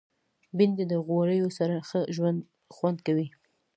بېنډۍ د غوړیو سره ښه خوند کوي